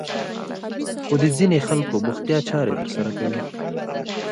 خو د ځينې خلکو بوختيا چارې ترسره کوي.